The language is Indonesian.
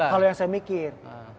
kalau yang saya mikir